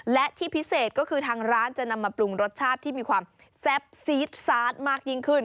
และที่พิเศษก็คือทางร้านจะนำมาปรุงรสชาติที่มีความแซ่บซีดซาสมากยิ่งขึ้น